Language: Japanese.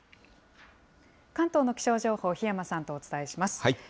関東の気象情報、檜山さんとお伝えします。